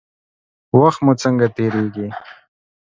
وخت مو څنګه تیریږي؟